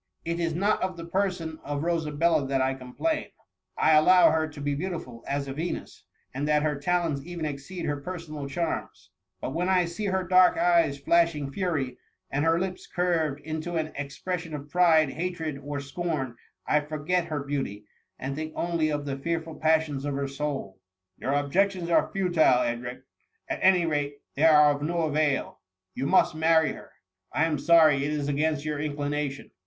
''^^ It is not of the person of Rosabella that I complain ; I allow her to be beautiful as a Venus, and that her talents even exceed her personal charms : but when I see her dark eyes flashing fury, and her lips curved into an ex pression of pride, hatred, or scorn, I forget her' beauty, and think only of the fearful passions of her soul.*' "Your objections are futile, Edric; at any rate, they are of no avail. You must marry her — I am sorry it is against your inclination.